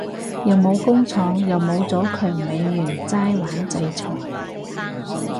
又冇工廠又冇咗強美元齋玩制裁